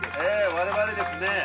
我々ですね